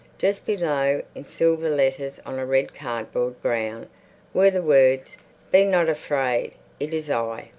Just below, in silver letters on a red cardboard ground, were the words, "Be not afraid, it is I."